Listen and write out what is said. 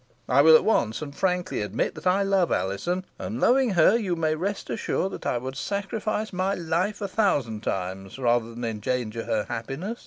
I will at once, and frankly admit, that I love Alizon; and loving her, you may rest assured I would sacrifice my life a thousand times rather than endanger her happiness.